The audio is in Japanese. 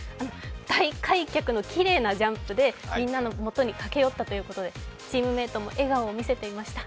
大開脚のきれいなジャンプでみんなのもとに駆け寄ったということでチームメイトも笑顔を見せてました。